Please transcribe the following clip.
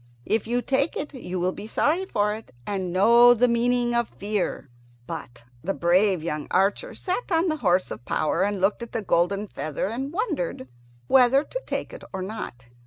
If you take it you will be sorry for it, and know the meaning of fear." But the brave young archer sat on the horse of power and looked at the golden feather, and wondered whether to take it or not.